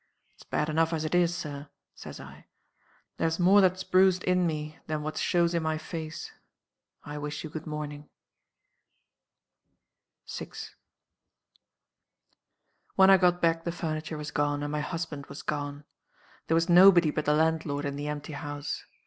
It's bad enough as it is, Sir,' says I. 'There's more that's bruised in me than what shows in my face. I wish you good morning.'" 6. "When I got back the furniture was gone, and my husband was gone. There was nobody but the landlord in the empty house.